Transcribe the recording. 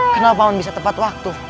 kenapa on bisa tepat waktu